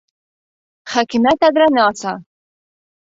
Хәкимә тәҙрәне аса.